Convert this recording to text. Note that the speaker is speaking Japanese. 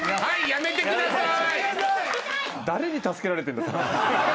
やめてください。